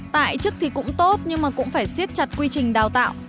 tại chức thì cũng tốt nhưng mà cũng phải siết chặt quy trình đào tạo